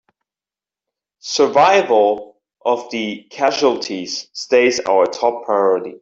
Survival of the casualties stays our top priority!